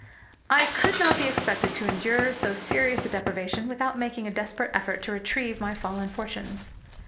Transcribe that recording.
I could not be expected to endure so serious a deprivation without making a desperate effort to retrieve my fallen fortunes.